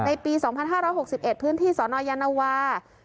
ในปีสองพันห้าร้านหกสิบเอ็ดพื้นที่สอนอยานาวาอ่ะ